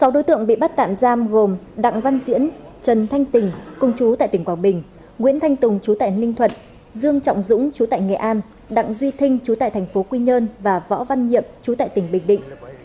sáu đối tượng bị bắt tạm giam gồm đặng văn diễn trần thanh tình cùng chú tại tỉnh quảng bình nguyễn thanh tùng chú tại ninh thuận dương trọng dũng chú tại nghệ an đặng duy thinh chú tại thành phố quy nhơn và võ văn nhiệm chú tại tỉnh bình định